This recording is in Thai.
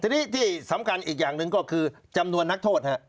ทีนี้ที่สำคัญอีกอย่างหนึ่งก็คือจำนวนนักโทษ